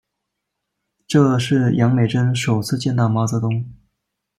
这是杨美真首次见到毛泽东。